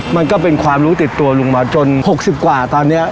มันก็เป็นความรู้ติดตัวลุงมาจน๖๐กว่าตอนนี้